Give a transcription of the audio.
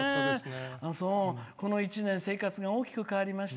この１年生活が大きく変わりました。